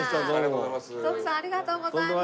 徳さんありがとうございます。